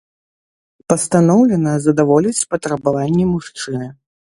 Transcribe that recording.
Пастаноўлена задаволіць патрабаванні мужчыны.